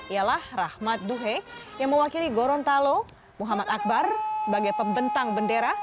ialah rahmat duhe yang mewakili gorontalo muhammad akbar sebagai pembentang bendera